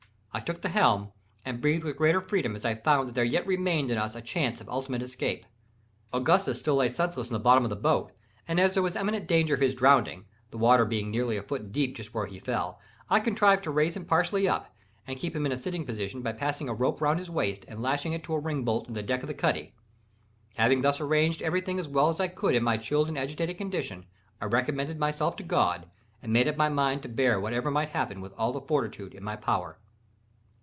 I took the helm, and breathed with greater freedom as I found that there yet remained to us a chance of ultimate escape. Augustus still lay senseless in the bottom of the boat; and as there was imminent danger of his drowning (the water being nearly a foot deep just where he fell), I contrived to raise him partially up, and keep him in a sitting position, by passing a rope round his waist, and lashing it to a ringbolt in the deck of the cuddy. Having thus arranged every thing as well as I could in my chilled and agitated condition, I recommended myself to God, and made up my mind to bear whatever might happen with all the fortitude in my power.